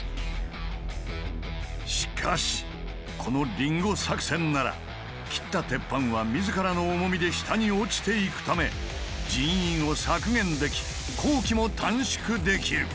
しかしこのリンゴ作戦なら切った鉄板は自らの重みで下に落ちていくため人員を削減でき工期も短縮できる。